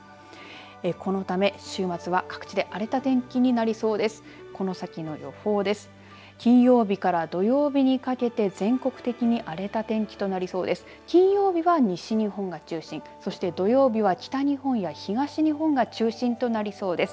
このため週末は各地で荒れた天気になりそうです。